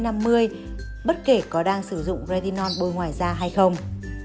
bất kể có đang sử dụng redinon bôi ngoài da hay không